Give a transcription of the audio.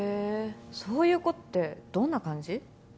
そういう子ってどんな感じ？